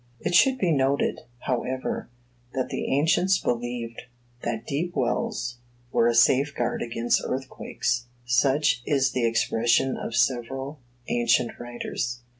It should be noted, however, that the ancients believed that deep wells were a safeguard against earthquakes; such is the expression of several ancient writers.